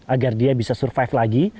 agar dia bisa survive lagi